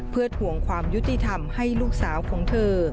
เพื่อถวงความยุติธรรมให้ลูกสาวของเธอ